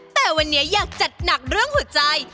แต่วันนี้อยากจัดหนักเรื่องหัวใจ